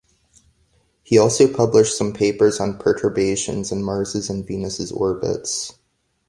He also published some papers on perturbations in Mars' and Venus' orbits.